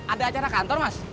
ada acara kantor mas